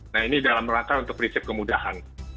nah ini dalam rangka untuk prinsip kemudahan